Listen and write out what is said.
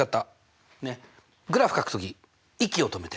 グラフかく時息を止めて。